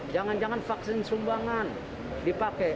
jangan jangan vaksin sumbangan dipakai